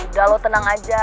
udah lo tenang aja